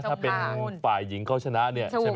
ถ้าเป็นฝ่ายหญิงเขาชนะเนี่ย